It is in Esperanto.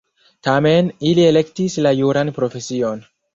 Tamen li elektis la juran profesion.